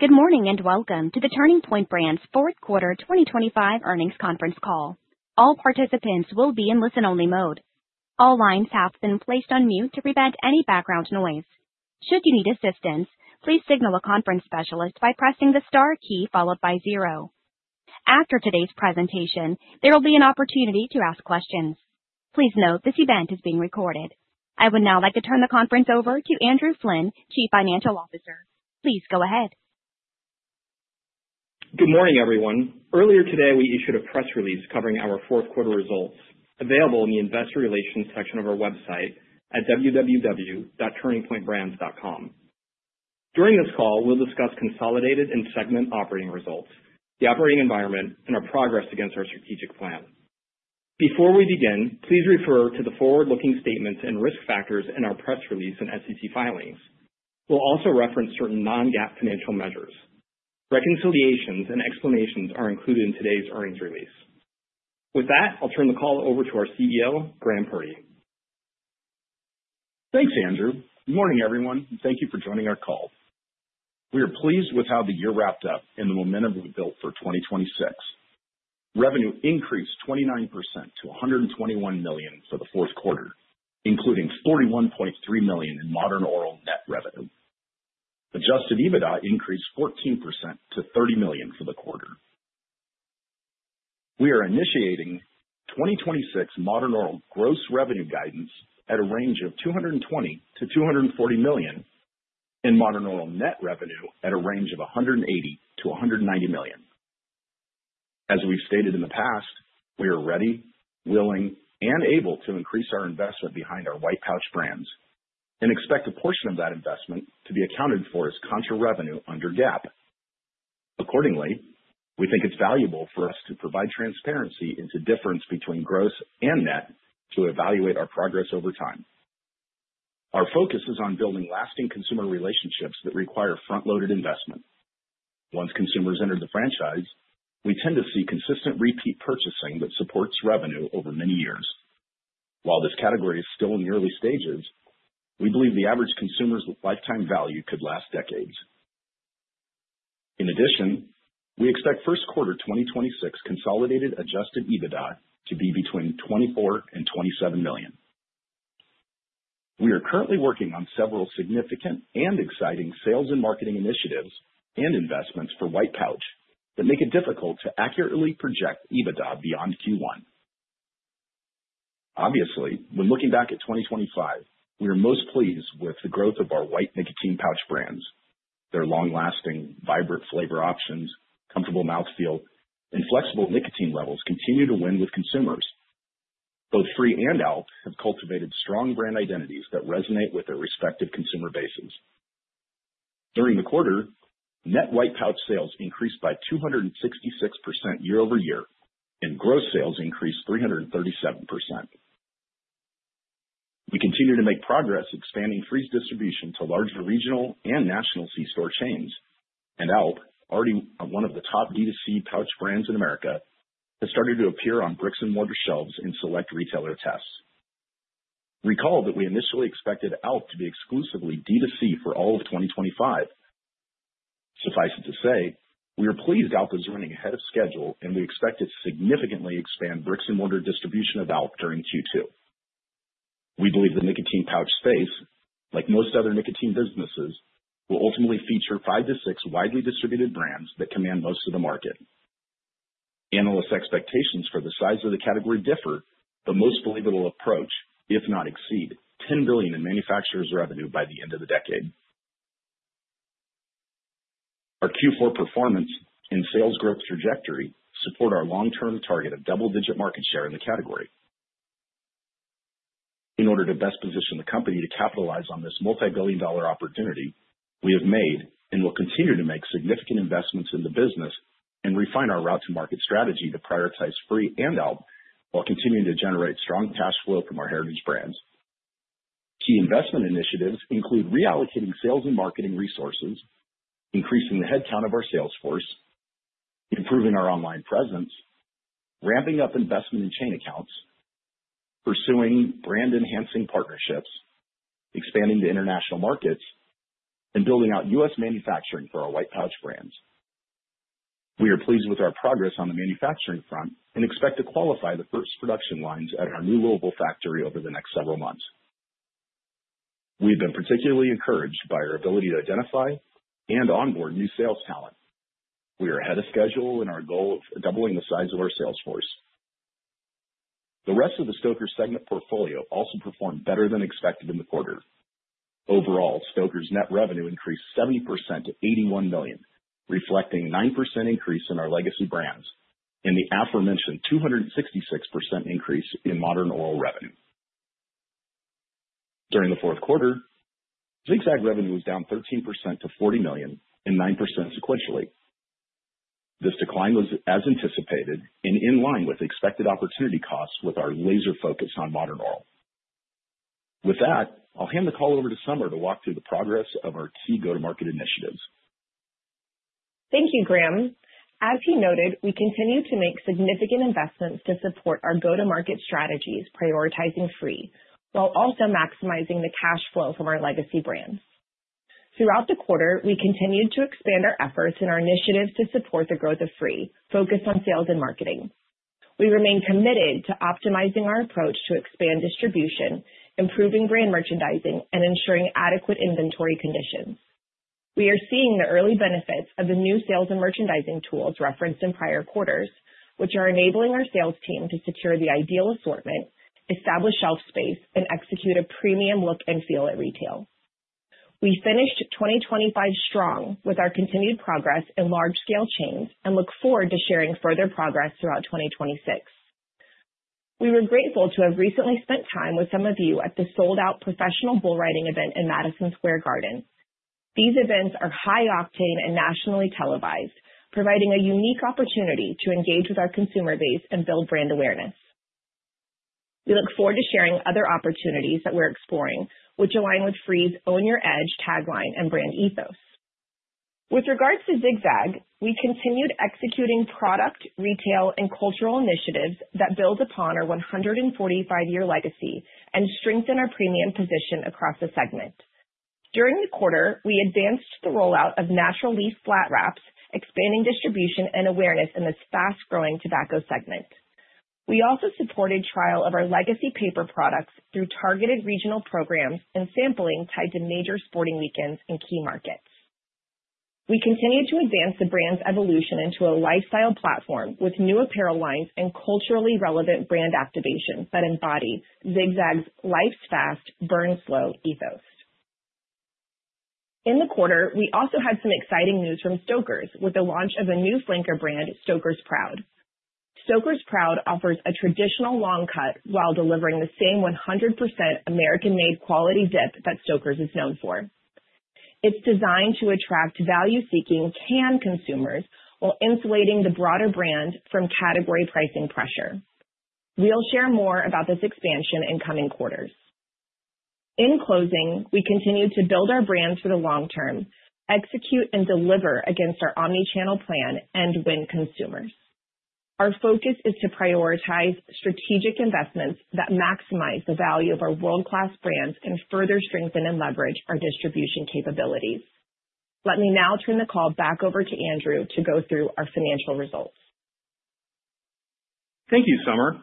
Good morning, welcome to the Turning Point Brands Fourth Quarter 2025 Earnings Conference Call. All participants will be in listen-only mode. All lines have been placed on mute to prevent any background noise. Should you need assistance, please signal a conference specialist by pressing the star key followed by zero. After today's presentation, there will be an opportunity to ask questions. Please note this event is being recorded. I would now like to turn the conference over to Andrew Flynn, Chief Financial Officer. Please go ahead. Good morning, everyone. Earlier today, we issued a press release covering our fourth quarter results available in the investor relations section of our website at www.turningpointbrands.com. During this call, we'll discuss consolidated and segment operating results, the operating environment, and our progress against our strategic plan. Before we begin, please refer to the forward-looking statements and risk factors in our press release and SEC filings. We'll also reference certain non-GAAP financial measures. Reconciliations and explanations are included in today's earnings release. With that, I'll turn the call over to our CEO, Graham Purdy. Thanks, Andrew. Good morning, everyone, thank you for joining our call. We are pleased with how the year wrapped up and the momentum we've built for 2026. Revenue increased 29% to $121 million for the fourth quarter, including $41.3 million in Modern Oral net revenue. Adjusted EBITDA increased 14% to $30 million for the quarter. We are initiating 2026 Modern Oral gross revenue guidance at a range of $220 million-$240 million and Modern Oral net revenue at a range of $180 million-$190 million. As we've stated in the past, we are ready, willing, and able to increase our investment behind our white pouch brands and expect a portion of that investment to be accounted for as contra revenue under GAAP. We think it's valuable for us to provide transparency into difference between gross and net to evaluate our progress over time. Our focus is on building lasting consumer relationships that require front-loaded investment. Once consumers enter the franchise, we tend to see consistent repeat purchasing that supports revenue over many years. While this category is still in the early stages, we believe the average consumer's lifetime value could last decades. We expect first quarter 2026 consolidated Adjusted EBITDA to be between $24 million and $27 million. We are currently working on several significant and exciting sales and marketing initiatives and investments for white pouch that make it difficult to accurately project EBITDA beyond Q1. Obviously, when looking back at 2025, we are most pleased with the growth of our white nicotine pouch brands. Their long-lasting, vibrant flavor options, comfortable mouth feel, and flexible nicotine levels continue to win with consumers. Both FRĒ and ALP have cultivated strong brand identities that resonate with their respective consumer bases. During the quarter, net white pouch sales increased by 266% year-over-year, and gross sales increased 337%. We continue to make progress expanding FRĒ's distribution to larger regional and national c-store chains. ALP, already one of the top D2C pouch brands in America, has started to appear on bricks and mortar shelves in select retailer tests. Recall that we initially expected ALP to be exclusively D2C for all of 2025. Suffice it to say, we are pleased ALP is running ahead of schedule, and we expect to significantly expand bricks and mortar distribution of ALP during Q2. We believe the nicotine pouch space, like most other nicotine businesses, will ultimately feature five to six widely distributed brands that command most of the market. Analysts' expectations for the size of the category differ, but most believe it'll approach, if not exceed, $10 billion in manufacturer's revenue by the end of the decade. Our Q4 performance and sales growth trajectory support our long-term target of double-digit market share in the category. In order to best position the company to capitalize on this multi-billion dollar opportunity, we have made and will continue to make significant investments in the business and refine our route to market strategy to prioritize FRĒ and ALP while continuing to generate strong cash flow from our heritage brands. Key investment initiatives include reallocating sales and marketing resources, increasing the headcount of our sales force, improving our online presence, ramping up investment in chain accounts, pursuing brand-enhancing partnerships, expanding to international markets, and building out U.S. manufacturing for our white pouch brands. We are pleased with our progress on the manufacturing front and expect to qualify the first production lines at our new Louisville factory over the next several months. We've been particularly encouraged by our ability to identify and onboard new sales talent. We are ahead of schedule in our goal of doubling the size of our sales force. The rest of the Stoker segment portfolio also performed better than expected in the quarter. Overall, Stoker's net revenue increased 70% to $81 million, reflecting 9% increase in our legacy brands and the aforementioned 266% increase in Modern Oral revenue. During the fourth quarter, Zig-Zag revenue was down 13% to $40 million and 9% sequentially. This decline was as anticipated and in line with expected opportunity costs with our laser focus on Modern Oral. With that, I'll hand the call over to Summer to walk through the progress of our key go-to-market initiatives. Thank you, Graham. As he noted, we continue to make significant investments to support our go-to-market strategies, prioritizing FRĒ, while also maximizing the cash flow from our legacy brands. Throughout the quarter, we continued to expand our efforts and our initiatives to support the growth of FRĒ, focused on sales and marketing. We remain committed to optimizing our approach to expand distribution, improving brand merchandising, and ensuring adequate inventory conditions. We are seeing the early benefits of the new sales and merchandising tools referenced in prior quarters, which are enabling our sales team to secure the ideal assortment, establish shelf space, and execute a premium look and feel at retail. We finished 2025 strong with our continued progress in large scale chains and look forward to sharing further progress throughout 2026. We were grateful to have recently spent time with some of you at the sold-out Professional Bull Riders event in Madison Square Garden. These events are high octane and nationally televised, providing a unique opportunity to engage with our consumer base and build brand awareness. We look forward to sharing other opportunities that we're exploring, which align with FRĒ's Own Your Edge tagline and brand ethos. With regards to Zig-Zag, we continued executing product, retail, and cultural initiatives that build upon our 145-year legacy and strengthen our premium position across the segment. During the quarter, we advanced the rollout of Natural Leaf Flat Wraps, expanding distribution and awareness in this fast-growing tobacco segment. We also supported trial of our legacy paper products through targeted regional programs and sampling tied to major sporting weekends in key markets. We continued to advance the brand's evolution into a lifestyle platform with new apparel lines and culturally relevant brand activations that embody Zig-Zag's Live fast, burn slow ethos. In the quarter, we also had some exciting news from Stoker's with the launch of a new flanker brand, Stoker's Proud. Stoker's Proud offers a traditional long cut while delivering the same 100% American-made quality dip that Stoker's is known for. It's designed to attract value-seeking can consumers while insulating the broader brand from category pricing pressure. We'll share more about this expansion in coming quarters. In closing, we continue to build our brand for the long term, execute and deliver against our omni-channel plan, and win consumers. Our focus is to prioritize strategic investments that maximize the value of our world-class brands and further strengthen and leverage our distribution capabilities. Let me now turn the call back over to Andrew to go through our financial results. Thank you, Summer.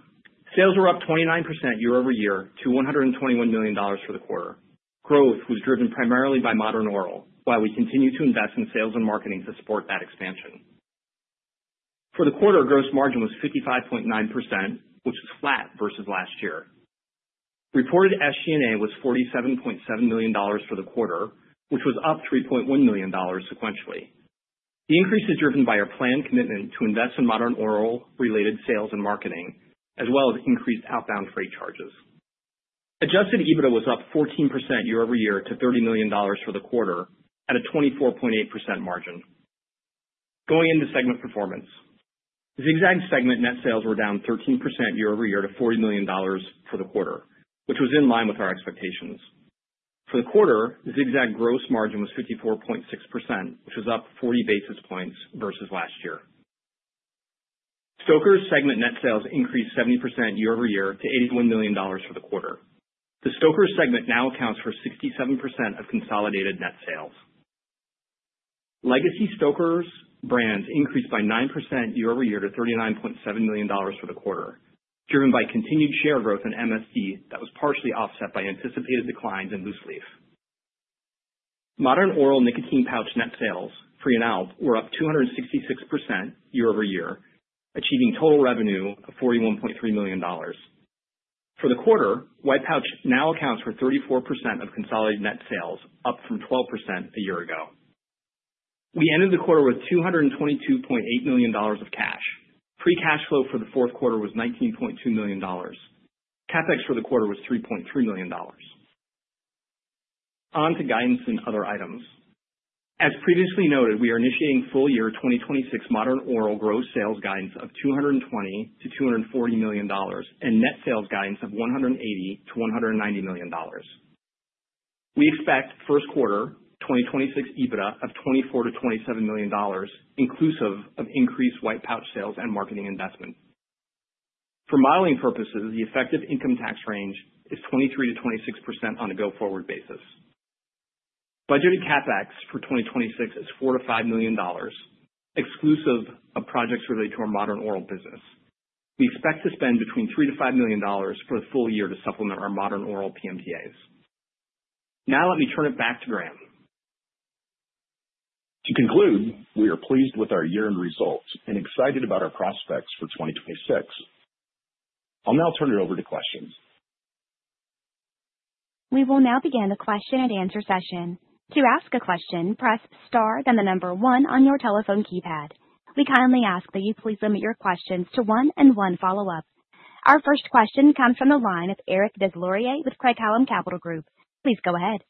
Sales were up 29% year-over-year to $121 million for the quarter. Growth was driven primarily by Modern Oral, while we continue to invest in sales and marketing to support that expansion. For the quarter, gross margin was 55.9%, which was flat versus last year. Reported SG&A was $47.7 million for the quarter, which was up $3.1 million sequentially. The increase is driven by our planned commitment to invest in Modern Oral related sales and marketing, as well as increased outbound freight charges. Adjusted EBITDA was up 14% year-over-year to $30 million for the quarter at a 24.8% margin. Going into segment performance. Zig-Zag segment net sales were down 13% year-over-year to $40 million for the quarter, which was in line with our expectations. For the quarter, Zig-Zag gross margin was 54.6%, which was up 40 basis points versus last year. Stoker's segment net sales increased 70% year-over-year to $81 million for the quarter. The Stoker's segment now accounts for 67% of consolidated net sales. Legacy Stoker's brands increased by 9% year-over-year to $39.7 million for the quarter, driven by continued share growth in MSD that was partially offset by anticipated declines in loose leaf. Modern Oral nicotine pouch net sales, FRĒ and out, were up 266% year-over-year, achieving total revenue of $41.3 million. For the quarter, white pouch now accounts for 34% of consolidated net sales, up from 12% a year ago. We ended the quarter with $222.8 million of cash. Free cash flow for the fourth quarter was $19.2 million. CapEx for the quarter was $3.3 million. On to guidance and other items. As previously noted, we are initiating full year 2026 Modern Oral gross sales guidance of $220 million-$240 million and net sales guidance of $180 million-$190 million. We expect first quarter 2026 EBITDA of $24 million-$27 million inclusive of increased white pouch sales and marketing investment. For modeling purposes, the effective income tax range is 23%-26% on a go-forward basis. Budgeted CapEx for 2026 is $4 million-$5 million, exclusive of projects related to our Modern Oral business. We expect to spend between $3 million-$5 million for the full year to supplement our Modern Oral PMTAs. Let me turn it back to Graham. To conclude, we are pleased with our year-end results and excited about our prospects for 2026. I'll now turn it over to questions. We will now begin the question and answer session. To ask a question, press star then one on your telephone keypad. We kindly ask that you please limit your questions to one and one follow-up. Our first question comes from the line of Eric DesLauriers with Craig-Hallum Capital Group. Please go ahead.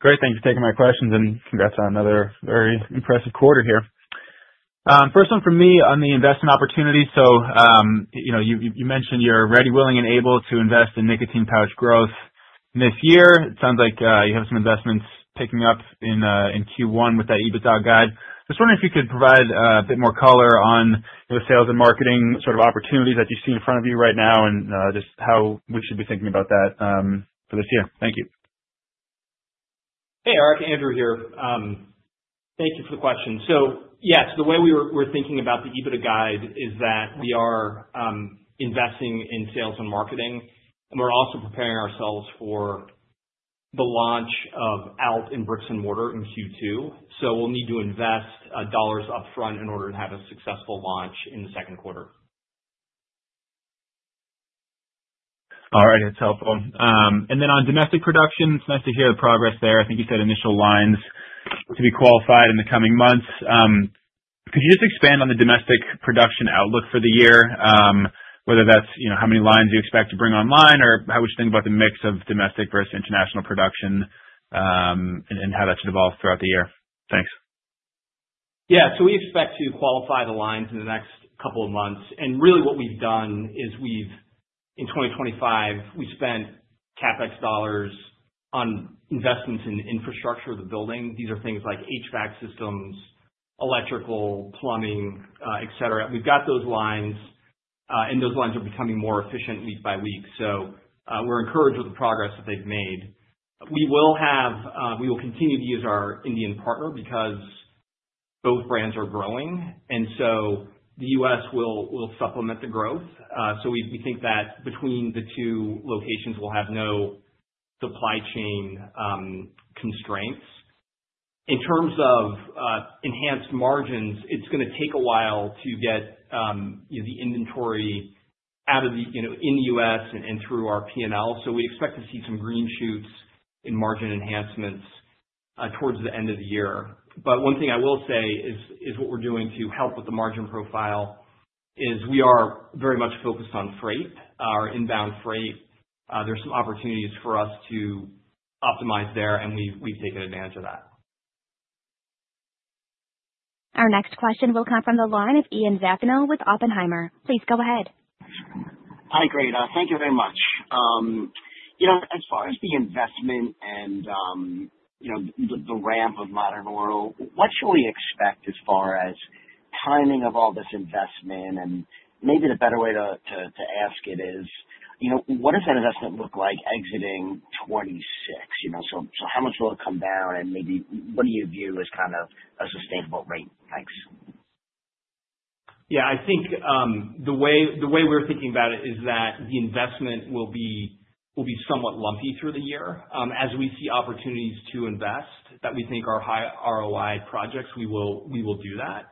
Great. Thanks for taking my questions, congrats on another very impressive quarter here. First one from me on the investment opportunity. You know, you mentioned you're ready, willing, and able to invest in nicotine pouch growth this year. It sounds like you have some investments picking up in Q1 with that EBITDA guide. Just wondering if you could provide a bit more color on the sales and marketing sort of opportunities that you see in front of you right now and just how we should be thinking about that for this year. Thank you. Hey, Eric, Andrew here. Thank you for the question. Yes, the way we were, we're thinking about the EBITDA guide is that we are investing in sales and marketing, and we're also preparing ourselves for the launch of ALP in bricks and mortar in Q2. We'll need to invest dollars upfront in order to have a successful launch in the second quarter. All right. That's helpful. And then on domestic production, it's nice to hear the progress there. I think you said initial lines to be qualified in the coming months. Could you just expand on the domestic production outlook for the year? Whether that's, you know, how many lines you expect to bring online, or how we should think about the mix of domestic versus international production, and how that should evolve throughout the year. Thanks. Yeah. We expect to qualify the lines in the next couple of months. Really what we've done is we've, in 2025, we spent CapEx dollars on investments in the infrastructure of the building. These are things like HVAC systems, electrical, plumbing, et cetera. We've got those lines, and those lines are becoming more efficient week by week. We're encouraged with the progress that they've made. We will continue to use our Indian partner because both brands are growing, and so the U.S. will supplement the growth. We, we think that between the two locations, we'll have no supply chain constraints. In terms of enhanced margins, it's gonna take a while to get, you know, the inventory out of the, you know, in the U.S. and through our P&L. We expect to see some green shoots in margin enhancements towards the end of the year. One thing I will say is what we're doing to help with the margin profile is we are very much focused on freight, our inbound freight. There's some opportunities for us to optimize there, and we've taken advantage of that. Our next question will come from the line of Ian Zaffino with Oppenheimer. Please go ahead. Hi, great. Thank you very much. You know, as far as the investment and, you know, the ramp of Modern Oral, what should we expect as far as timing of all this investment? Maybe the better way to, to ask it is, you know, what does that investment look like exiting 2026? You know, how much will it come down? Maybe what do you view as kind of a sustainable rate? Thanks. Yeah. I think the way we're thinking about it is that the investment will be somewhat lumpy through the year. As we see opportunities to invest that we think are high ROI projects, we will do that.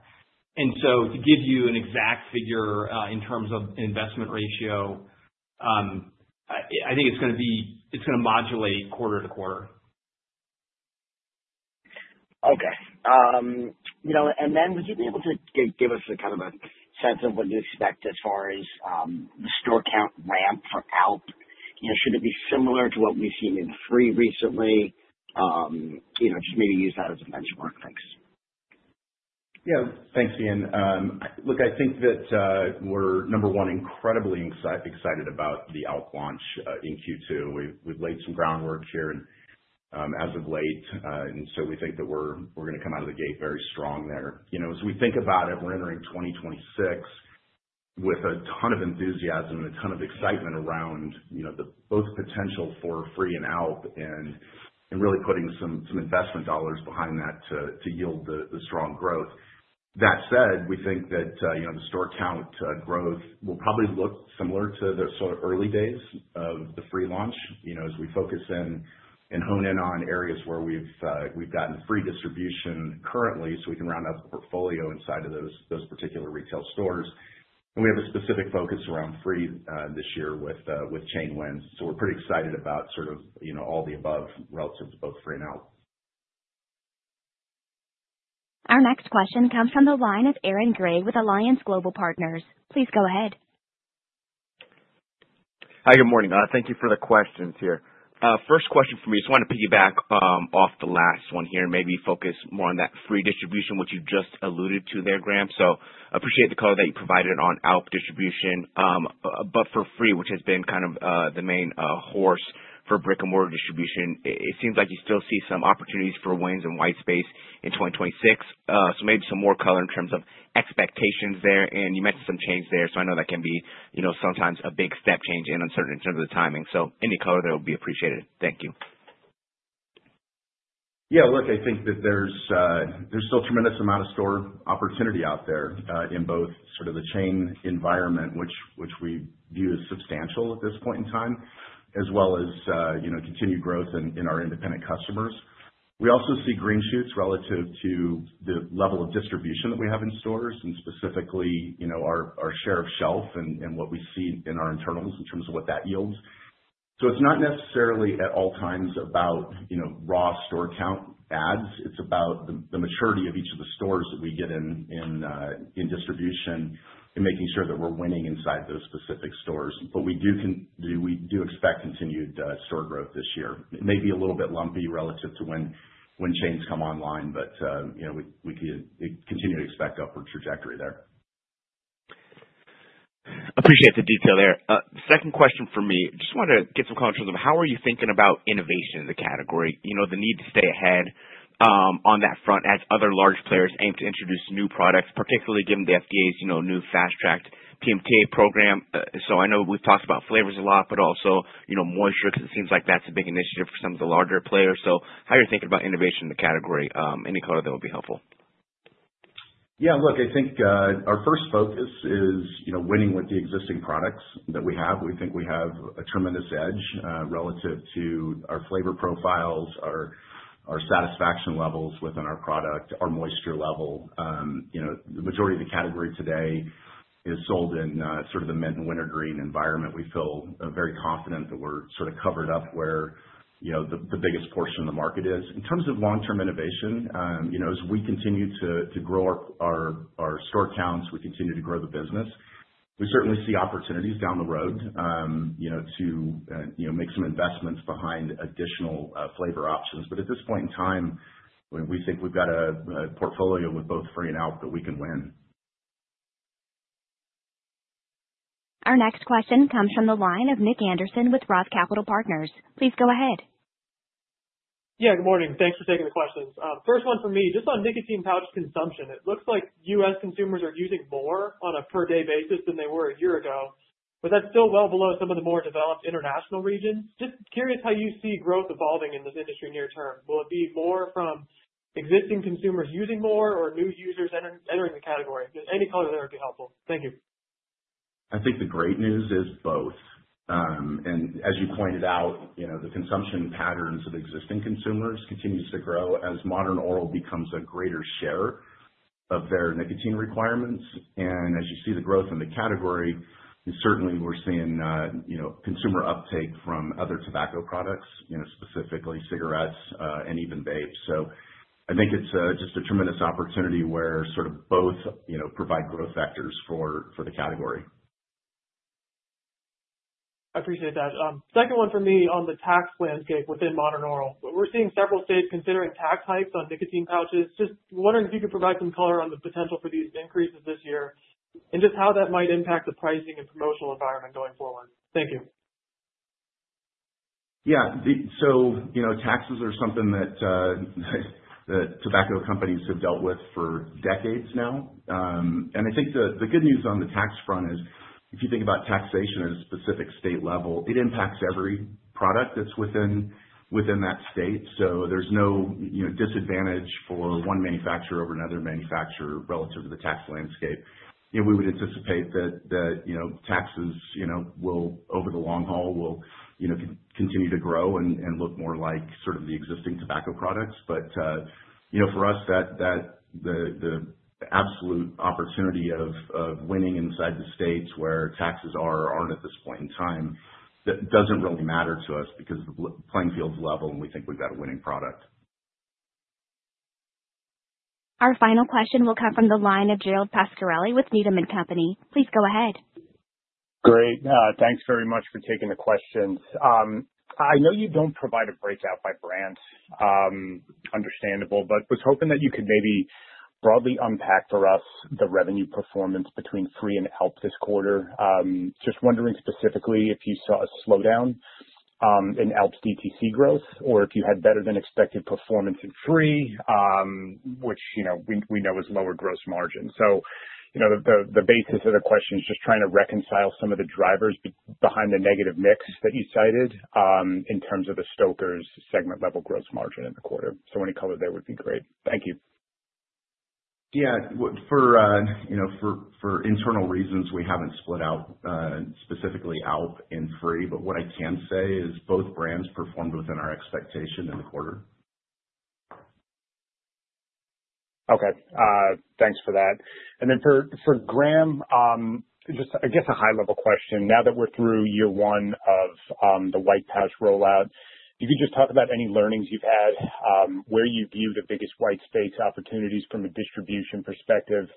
To give you an exact figure in terms of investment ratio, I think it's gonna modulate quarter to quarter. Okay. You know, would you be able to give us a kind of a sense of what you expect as far as the store count ramp for ALP? You know, should it be similar to what we've seen in FRĒ recently? You know, just maybe use that as a benchmark. Thanks. Thanks, Ian. Look, I think that we're number one, incredibly excited about the ALP launch in Q2. We've laid some groundwork here as of late, we think that we're gonna come out of the gate very strong there. You know, as we think about it, we're entering 2026 with a ton of enthusiasm and a ton of excitement around, you know, the both potential for FRĒ and ALP and really putting some investment dollars behind that to yield the strong growth. That said, we think that, you know, the store count growth will probably look similar to the sort of early days of the FRĒ launch. You know, as we focus in and hone in on areas where we've gotten FRĒ distribution currently, so we can round out the portfolio inside of those particular retail stores. We have a specific focus around FRĒ this year with chain wins. We're pretty excited about sort of, you know, all the above relative to both FRĒ and ALP. Our next question comes from the line of Aaron Gray with Alliance Global Partners. Please go ahead. Hi, good morning. Thank you for the questions here. First question for me, just wanna piggyback off the last one here, maybe focus more on that FRĒ distribution, which you just alluded to there, Graham. Appreciate the color that you provided on ALP distribution. But for FRĒ, which has been kind of the main horse for brick-and-mortar distribution, it seems like you still see some opportunities for wins in white space in 2026. Maybe some more color in terms of expectations there, and you mentioned some change there, I know that can be, you know, sometimes a big step change and uncertain in terms of the timing. Any color there will be appreciated. Thank you. Yeah. Look, I think that there's still tremendous amount of store opportunity out there in both sort of the chain environment, which we view as substantial at this point in time, as well as, you know, continued growth in our independent customers. We also see green shoots relative to the level of distribution that we have in stores and specifically, you know, our share of shelf and what we see in our internals in terms of what that yields. It's not necessarily at all times about, you know, raw store count adds. It's about the maturity of each of the stores that we get in distribution and making sure that we're winning inside those specific stores. We do expect continued store growth this year. It may be a little bit lumpy relative to when chains come online, but, you know, we continue to expect upward trajectory there. Appreciate the detail there. Second question from me, just wanted to get some color in terms of how are you thinking about innovation in the category? You know, the need to stay ahead, on that front as other large players aim to introduce new products, particularly given the FDA's, you know, new fast-tracked PMTA program. I know we've talked about flavors a lot, but also, you know, moisture, 'cause it seems like that's a big initiative for some of the larger players. How are you thinking about innovation in the category? Any color there would be helpful. Yeah. Look, I think, our first focus is, you know, winning with the existing products that we have. We think we have a tremendous edge, relative to our flavor profiles, our satisfaction levels within our product, our moisture level. You know, the majority of the category today is sold in, sort of the mint and wintergreen environment. We feel very confident that we're sort of covered up where, you know, the biggest portion of the market is. In terms of long-term innovation, you know, as we continue to grow our store counts, we continue to grow the business, we certainly see opportunities down the road, you know, to, you know, make some investments behind additional flavor options. At this point in time, we think we've got a portfolio with both FRĒ and ALP that we can win. Our next question comes from the line of Scott Cederberg with Roth Capital Partners. Please go ahead. Yeah, good morning. Thanks for taking the questions. First one from me, just on nicotine pouch consumption, it looks like US consumers are using more on a per day basis than they were a year ago. That's still well below some of the more developed international regions. Just curious how you see growth evolving in this industry near term. Will it be more from existing consumers using more or new users entering the category? Just any color there would be helpful. Thank you. I think the great news is both. As you pointed out, you know, the consumption patterns of existing consumers continues to grow as Modern Oral becomes a greater share of their nicotine requirements. As you see the growth in the category, certainly we're seeing, you know, consumer uptake from other tobacco products, you know, specifically cigarettes, and even vapes. I think it's just a tremendous opportunity where sort of both, you know, provide growth vectors for the category. I appreciate that. Second one for me on the tax landscape within Modern Oral. We're seeing several states considering tax hikes on nicotine pouches. Just wondering if you could provide some color on the potential for these increases this year and just how that might impact the pricing and promotional environment going forward? Thank you. Yeah. You know, taxes are something that tobacco companies have dealt with for decades now. I think the good news on the tax front is if you think about taxation at a specific state level, it impacts every product that's within that state. There's no, you know, disadvantage for one manufacturer over another manufacturer relative to the tax landscape. You know, we would anticipate that, you know, taxes, you know, will, over the long haul, will, you know, continue to grow and look more like sort of the existing tobacco products. You know, for us, that, the absolute opportunity of winning inside the states where taxes are or aren't at this point in time, that doesn't really matter to us because the playing field's level, and we think we've got a winning product. Our final question will come from the line of Gerald Pascarelli with Needham & Company. Please go ahead. Great. Thanks very much for taking the questions. I know you don't provide a breakout by brand, understandable, but was hoping that you could maybe broadly unpack for us the revenue performance between FRĒ and ALP this quarter. Just wondering specifically if you saw a slowdown in ALP's DTC growth, or if you had better than expected performance in FRĒ, which, you know, we know is lower gross margin. You know, the basis of the question is just trying to reconcile some of the drivers behind the negative mix that you cited, in terms of the Stoker's segment level gross margin in the quarter. Any color there would be great. Thank you. Yeah. For, you know, for internal reasons, we haven't split out specifically ALP and FRĒ, but what I can say is both brands performed within our expectation in the quarter. Okay. Thanks for that. For, for Graham, just I guess a high level question, now that we're through year one of the white pouch rollout, if you could just talk about any learnings you've had, where you view the biggest white space opportunities from a distribution perspective,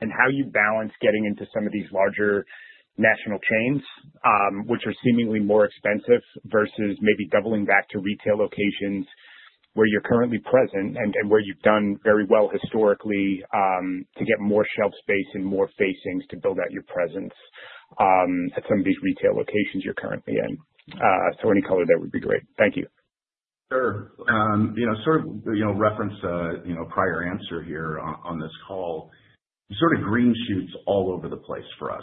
and how you balance getting into some of these larger national chains, which are seemingly more expensive, versus maybe doubling back to retail locations where you're currently present and where you've done very well historically, to get more shelf space and more facings to build out your presence, at some of these retail locations you're currently in. Any color there would be great. Thank you. Sure. you know, sort of, you know, reference, you know, prior answer here on this call, sort of green shoots all over the place for us.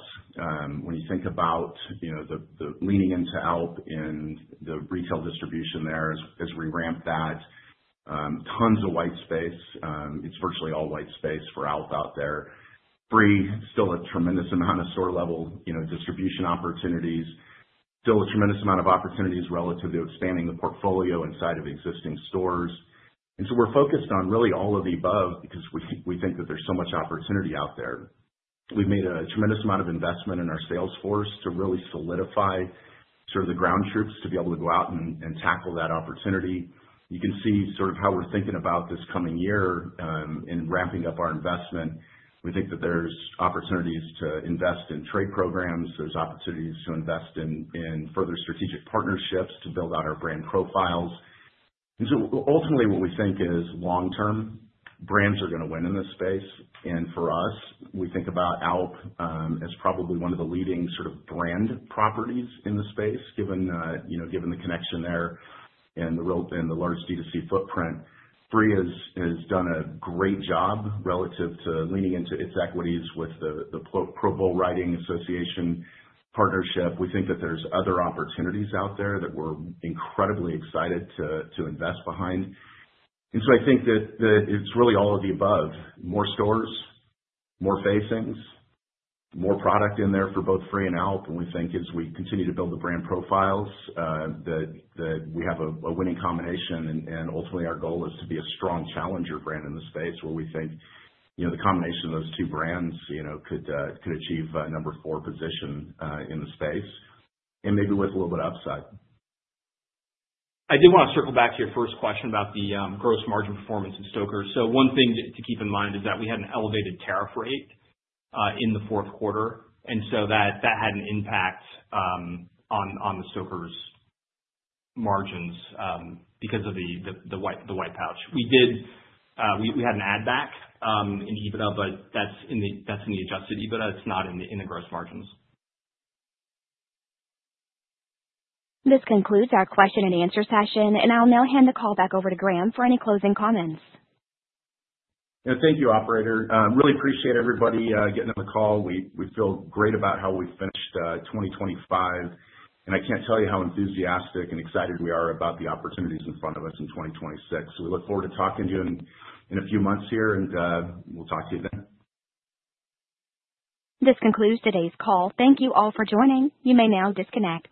When you think about, you know, the leaning into ALP and the retail distribution there as we ramp that, tons of white space. It's virtually all white space for ALP out there. FRĒ, still a tremendous amount of store level, you know, distribution opportunities. Still a tremendous amount of opportunities relative to expanding the portfolio inside of existing stores. We're focused on really all of the above because we think that there's so much opportunity out there. We've made a tremendous amount of investment in our sales force to really solidify sort of the ground troops to be able to go out and tackle that opportunity. You can see sort of how we're thinking about this coming year, in ramping up our investment. We think that there's opportunities to invest in trade programs. There's opportunities to invest in further strategic partnerships to build out our brand profiles. Ultimately what we think is long term, brands are gonna win in this space. For us, we think about ALP as probably one of the leading sort of brand properties in the space, given, you know, given the connection there and the large D2C footprint. FRĒ has done a great job relative to leaning into its equities with the Professional Bull Riders partnership. We think that there's other opportunities out there that we're incredibly excited to invest behind. I think that it's really all of the above, more stores, more facings, more product in there for both FRĒ and ALP. We think as we continue to build the brand profiles, that we have a winning combination and ultimately our goal is to be a strong challenger brand in the space where we think, you know, the combination of those two brands, you know, could achieve a number four position in the space and maybe with a little bit of upside. I did wanna circle back to your first question about the gross margin performance in Stoker. One thing to keep in mind is that we had an elevated tariff rate in the fourth quarter, that had an impact on the Stoker's margins because of the white pouch. We had an add back in EBITDA, but that's in the Adjusted EBITDA. It's not in the gross margins. This concludes our question and answer session. I'll now hand the call back over to Graham for any closing comments. Yeah, thank you, operator. Really appreciate everybody getting on the call. We feel great about how we finished 2025. I can't tell you how enthusiastic and excited we are about the opportunities in front of us in 2026. We look forward to talking to you in a few months here, and we'll talk to you then. This concludes today's call. Thank you all for joining. You may now disconnect.